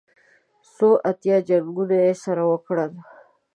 څو اتیا جنګونه یې سره وکړل.